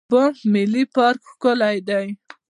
د بانف ملي پارک ښکلی دی.